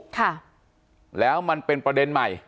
ค่ะแล้วมันเป็นประเด็นใหม่